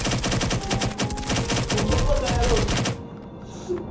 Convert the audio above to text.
大バカ野郎っす。